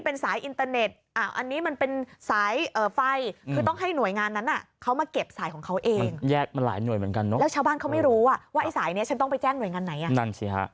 เป็นสายเอ่อไฟคือต้องให้หน่วยงานนั้นน่ะเขามาเก็บสายของเขาเองแยกมาหลายหน่วยเหมือนกันเนอะแล้วชาวบ้านเขาไม่รู้อ่ะว่าไอ้สายเนี้ยฉันต้องไปแจ้งหน่วยงานไหนอ่ะนั่นสิฮะ